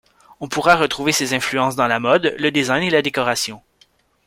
On pourra retrouver ses influences dans la mode, le design et la décoration.